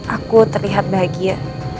aku terlihat bahagia